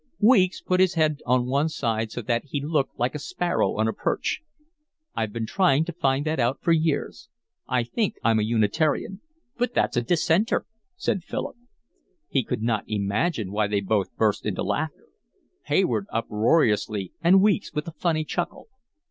Weeks put his head on one side so that he looked like a sparrow on a perch. "I've been trying to find that out for years. I think I'm a Unitarian." "But that's a dissenter," said Philip. He could not imagine why they both burst into laughter, Hayward uproariously, and Weeks with a funny chuckle.